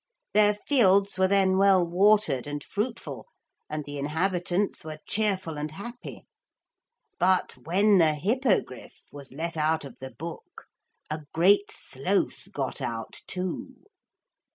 Their fields were then well watered and fruitful, and the inhabitants were cheerful and happy. But when the Hippogriff was let out of the book, a Great Sloth got out too.